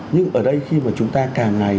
nhưng ở đây khi mà chúng ta càng ngày